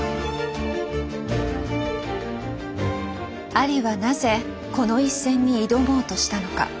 アリはなぜこの一戦に挑もうとしたのか。